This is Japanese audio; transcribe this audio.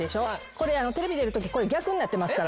これテレビ出るときこれ逆になってますから。